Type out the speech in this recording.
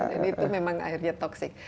dan itu memang akhirnya toxic